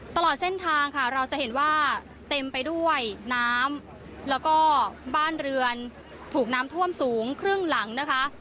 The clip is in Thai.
ตลอดเส้นทางค่ะเราจะเห็นว่าเต็มไปด้วยน้ำแล้วก็บ้านเรือนถูกน้ำท่วมสูงครึ่งหลังนะคะ